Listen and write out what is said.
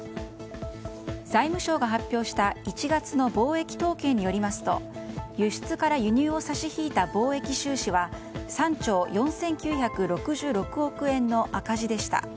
財務省が発表した１月の貿易統計によりますと輸出から輸入を差し引いた貿易収支は３兆４９６６億円の赤字でした。